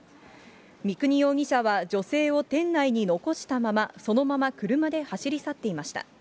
三国容疑者は女性を店内に残したまま、そのまま車で走り去っていました。